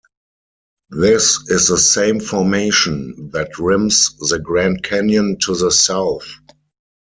This is the same formation that rims the Grand Canyon to the south.